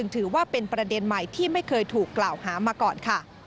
ถือว่าเป็นประเด็นใหม่ที่ไม่เคยถูกกล่าวหามาก่อนค่ะ